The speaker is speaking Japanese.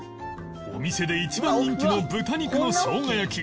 お店で一番人気の豚肉の生姜焼き